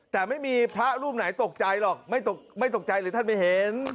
แต่ไม่มีพระรูปไหนตกใจหรอกไม่ตกใจหรือท่านไม่เห็น